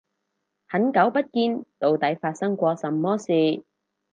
很久不見，到底發生過什麼事